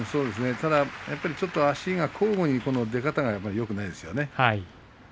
ただ足が交互に出方がよくないですよね。